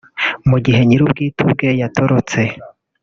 mu gihe nyir’ubwite ubwe yatorotse